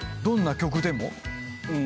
どんな曲でも。